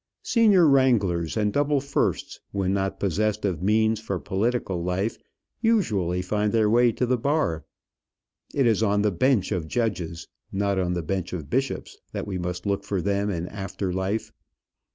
Senior wranglers and double firsts, when not possessed of means for political life, usually find their way to the bar. It is on the bench of judges, not on the bench of bishops, that we must look for them in after life.